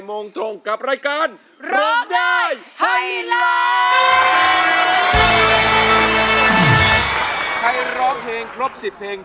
วันนี้ขอต้อนรับคุณหนุ่ยคุณหนิ๊งคุณเนส